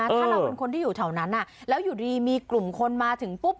ถ้าเราเป็นคนที่อยู่แถวนั้นแล้วอยู่ดีมีกลุ่มคนมาถึงปุ๊บ